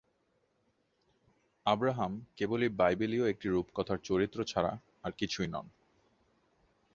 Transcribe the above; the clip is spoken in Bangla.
আব্রাহাম কেবলই বাইবেলীয় একটি রূপকথার চরিত্র ছাড়া আর কিছু নন।